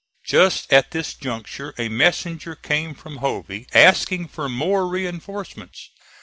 Just at this juncture a messenger came from Hovey, asking for more reinforcements.